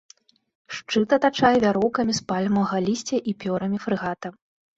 Шчыт атачае вяроўкамі з пальмавага лісця і пёрамі фрэгата.